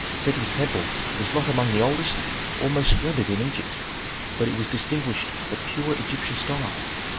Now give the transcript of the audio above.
Seti's temple was not among the oldest or most splendid in Egypt, but it was distinguished for pure Egyptian style.